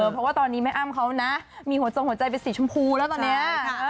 เพราะว่าตอนนี้แม่อ้ำเขานะมีหัวจงหัวใจเป็นสีชมพูแล้วตอนนี้